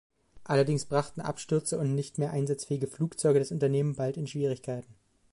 Allerdings brachten Abstürze und nicht mehr einsatzfähige Flugzeuge das Unternehmen bald in Schwierigkeiten.